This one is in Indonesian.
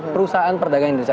perusahaan perdagangan indonesia